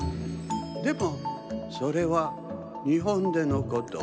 でもそれはにほんでのこと。